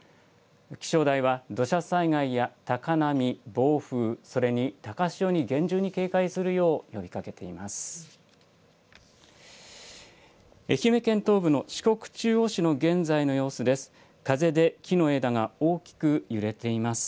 気象台は土砂災害や高波、暴風、それに高潮に厳重に警戒するよう呼びかけています。